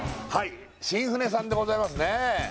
はい新舟さんでございますね